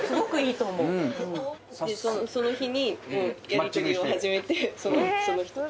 その日にやりとりを始めてその人と。